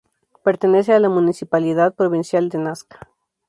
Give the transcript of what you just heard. Pertenece a la municipalidad provincial de Nasca.